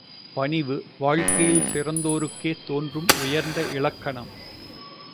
பணிவு, வாழ்க்கையில் சிறந்தோருக்கே தோன்றும் உயர்ந்த இலக்கணம்.